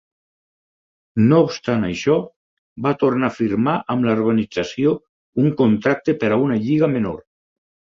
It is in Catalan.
No obstant això, va tornar a firmar amb l'organització un contracte per a una lliga menor.